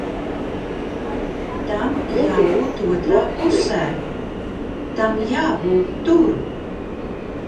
Tam jābūt otrā pusē. Tam jābūt tur!